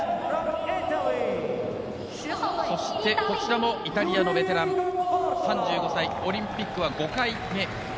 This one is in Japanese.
こちらもイタリアのベテラン３５歳、オリンピックは５回目。